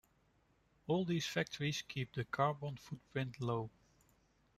All these factors keep the carbon footprint low.